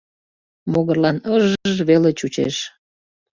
Могырлан ы-ж-ж веле чучеш.